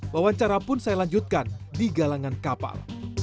wawancara pun saya lanjutkan di galangan kapal